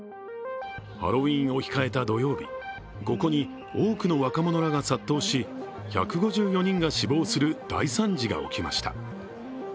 ハロウィーンを控えた土曜日、ここに多くの若者らが殺到し、１５４人が死亡する大惨事が起きました。